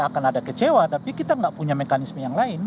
akan ada kecewa tapi kita nggak punya mekanisme yang lain